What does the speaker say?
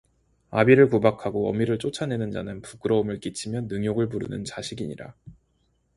아비를 구박하고 어미를 쫓아 내는 자는 부끄러움을 끼치며 능욕을 부르는 자식이니라